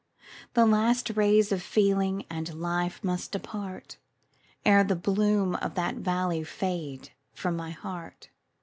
the last rays of feeling and life must depart, Ere the bloom of that valley shall fade from my heart.